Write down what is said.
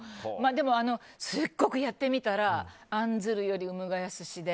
でも、すごく、やってみたら案ずるより産むがやすしで。